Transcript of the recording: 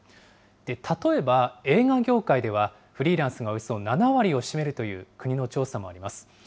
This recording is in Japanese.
例えば、映画業界ではフリーランスがおよそ７割を占めるという国の調査もあります。